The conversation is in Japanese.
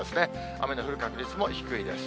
雨の降る確率も低いです。